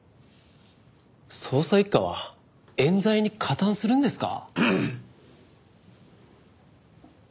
捜査一課は冤罪に加担するんですか？